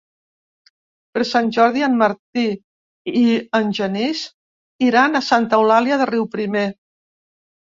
Per Sant Jordi en Martí i en Genís iran a Santa Eulàlia de Riuprimer.